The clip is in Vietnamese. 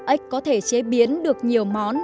ếch có thể chế biến được nhiều món